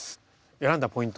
選んだポイントは？